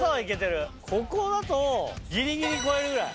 ここだとギリギリ越えるぐらい。